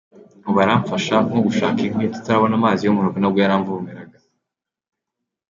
Ubu aramfasha, nko gushaka inkwi, tutarabona amazi yo mu rugo nabwo yaravomaga.